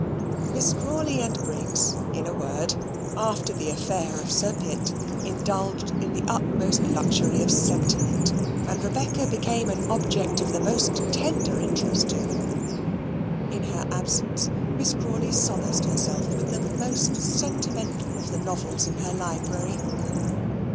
Miss Crawley and Briggs in a word, after the affair of Sir Pitt, indulged in the utmost luxury of sentiment, and Rebecca became an object of the most tender interest to them. In her absence Miss Crawley solaced herself with the most sentimental of the novels in her library.